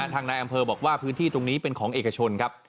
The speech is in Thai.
ทางนายอำเภอบอกว่าพื้นที่ตรงนี้เป็นของเอกชนครับ